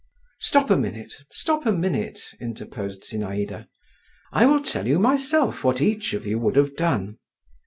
"Stop a minute, stop a minute," interposed Zinaïda, "I will tell you myself what each of you would have done.